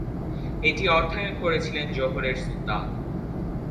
এটি অর্থায়ন করেছিলেন জোহরের সুলতান।